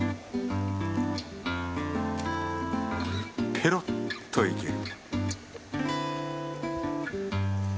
ペロッといける